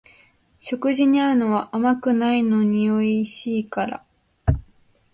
食事に合うのは甘くないのにおいしいから